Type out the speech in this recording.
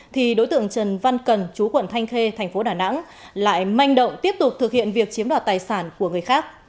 thì đối tượng trần văn cần chú quận thanh khê thành phố đà nẵng lại manh động tiếp tục thực hiện việc chiếm đoạt tài sản của người khác